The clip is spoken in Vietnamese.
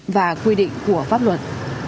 và quy định của pháp luật